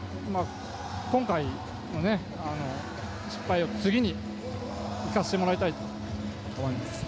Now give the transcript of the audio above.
今回の失敗を次に生かしてもらいたいと思います。